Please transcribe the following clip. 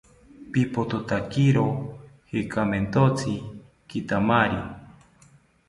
Pipothotakiro jekamentotzi kitamari